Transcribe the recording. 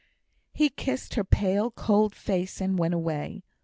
He kissed her pale cold face, and went away.